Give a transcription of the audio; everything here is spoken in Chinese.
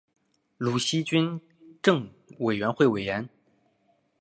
鲁西军政委员会委员。